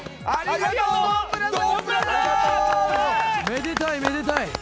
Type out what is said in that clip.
めでたい、めでたい。